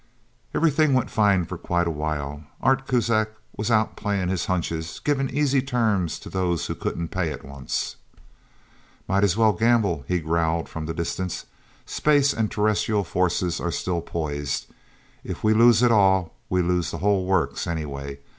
Everything went fine for quite a while. Art Kuzak was out playing his hunches, giving easy terms to those who couldn't pay at once. "Might as well gamble," he growled from the distance. "Space and terrestrial forces are still poised. If we lose at all, we lose the whole works, anyway.